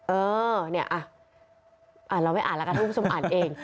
เออเนี่ยเราไม่อ่านแล้วกันท่านผู้ชมอ่านเอง